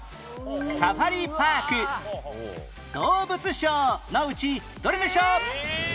サファリパーク動物ショーのうちどれでしょう？